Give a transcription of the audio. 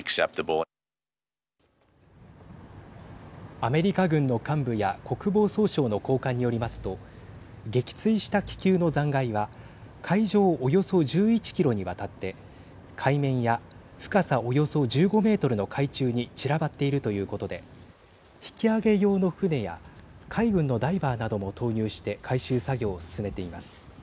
アメリカ軍の幹部や国防総省の高官によりますと撃墜した気球の残骸は海上およそ１１キロにわたって海面や深さおよそ１５メートルの海中に散らばっているということで引き揚げ用の船や海軍のダイバーなども投入して回収作業を進めています。